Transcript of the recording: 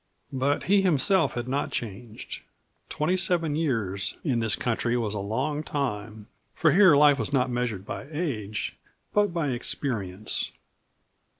But he himself had not changed. Twenty seven years in this country was a long time, for here life was not measured by age, but by experience.